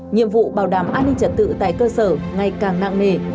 nhiệm vụ bảo đảm an ninh trật tự tại cơ sở ngày càng nặng nề